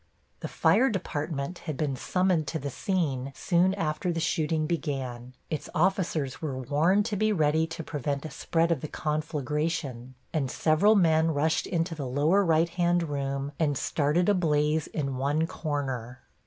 The fire department had been summoned to the scene soon after the shooting began; its officers were warned to be ready to prevent a spread of the conflagration, and several men rushed into the lower right hand room and started a blaze in one corner.